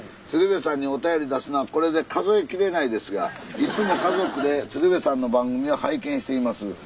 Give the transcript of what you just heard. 鶴瓶さんにお便り出すのはこれで数え切れないですがいつも家族で鶴瓶さんの番組を拝見しています。